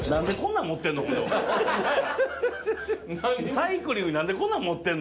サイクリングに何でこんなん持ってきてんの？